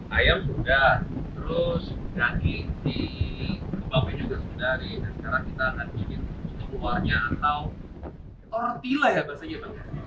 ayam sudah terus daging dan kebabnya juga sudah